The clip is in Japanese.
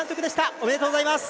おめでとうございます。